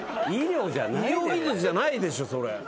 医療技術じゃないでしょそれ。